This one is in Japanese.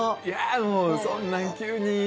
いやそんな急に。